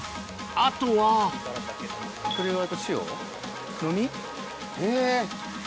あとはえぇ！